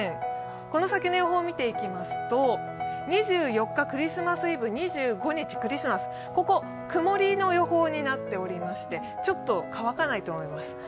この先の予報を見ていきますと、２４日クリスマスイブ、２５日クリスマスは曇りの予報になっておりまして、ちょっと乾かないと思います。